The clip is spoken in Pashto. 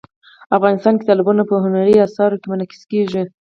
افغانستان کې تالابونه په هنري اثارو کې منعکس کېږي.